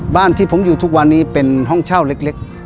ที่ผมอยู่ทุกวันนี้เป็นห้องเช่าเล็ก